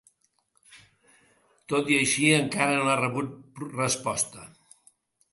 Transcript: Tot i així, encara no ha rebut resposta.